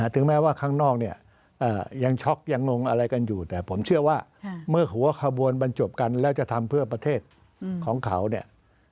ถึงแม้ว่าข้างนอกเนี่ยยังช็อกยังงงอะไรกันอยู่แต่ผมเชื่อว่าเมื่อหัวขบวนบรรจบกันแล้วจะทำเพื่อประเทศของเขาเนี่ย